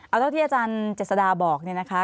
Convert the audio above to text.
เอาเท่าที่อาจารย์เจษฎาบอกเนี่ยนะคะ